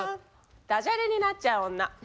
「ダジャレになっちゃう女」。